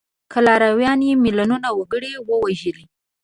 که لارویانو یې میلیونونه وګړي وژلي.